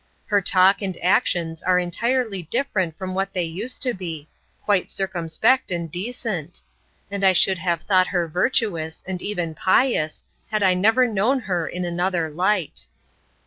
Her talk and actions are entirely different from what they used to be, quite circumspect and decent; and I should have thought her virtuous, and even pious, had I never known her in another light.